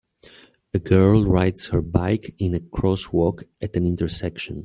A girl rides her bike in a crosswalk at an intersection.